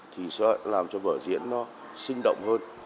thì sẽ làm cho vở diễn nó sinh động hơn